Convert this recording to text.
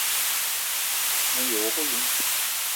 Me ye wok oloun